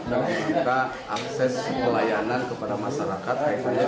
dalam kita akses pelayanan kepada masyarakat